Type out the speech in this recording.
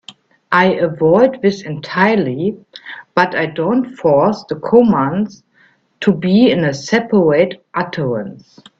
I avoid this entirely, but I don't force the commands to be in a separate utterance.